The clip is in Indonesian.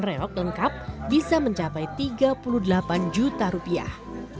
reok lengkap bisa mencapai tiga puluh delapan juta rupiah